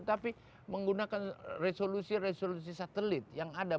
tapi menggunakan resolusi resolusi satelit yang ada